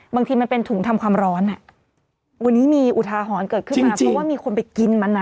บางทีมันเป็นถุงทำความร้อนอ่ะวันนี้มีอุทาหรณ์เกิดขึ้นมาเพราะว่ามีคนไปกินมันอ่ะ